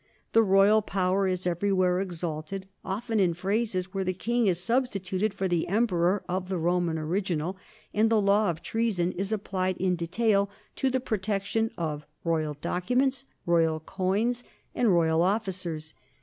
The royal power is everywhere exalted, often in phrases where the king is substituted for the emperor of the Roman origi nal, and the law of treason is applied in detail to the protection of royal documents, royal coins, and royal officers.